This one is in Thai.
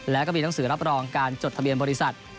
แล้วก็มีหนังสือรับรองการจดทะเบียนบริษัท